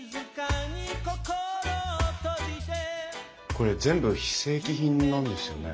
これ全部非正規品なんですよね？